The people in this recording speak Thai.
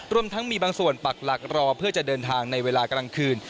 รวมทั้งมีบางส่วนปักหลักรอเพื่อจะเดินทางในเวลากลางคืน